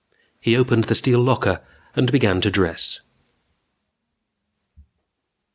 He opened the steel locker and began to dress.